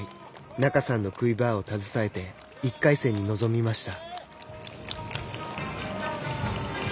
仲さんのクイバーを携えて１回戦に臨みました。